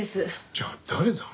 じゃあ誰だ？